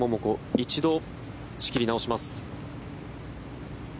一度、仕切り直します。